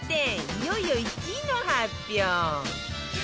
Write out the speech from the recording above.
いよいよ１位の発表